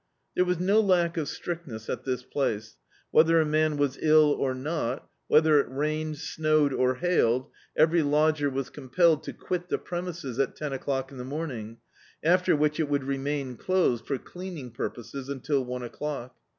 There was no lack of strictness at this place; whether a man was ill or not, whether it rained, snowed or h^Ied, every lodger was conpelled to quit the premises at ten o'clock in the morning, after which it would remain closed for cleaning purposes until one o'clock.